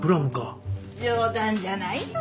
冗談じゃないよ